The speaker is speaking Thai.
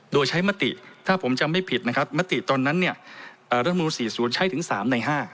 โดยใช้มติถ้าผมจำไม่ผิดนะครับมติตอนนั้นเนี่ยรัฐมนูล๔๐ใช้ถึง๓ใน๕